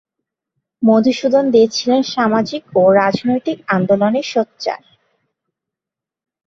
মধুসূদন দে ছিলেন সামাজিক ও রাজনৈতিক আন্দোলনে সোচ্চার।